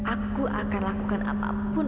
aku akan lakukan apapun